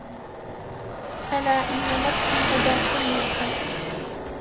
ألا إن مدحا غدا حلية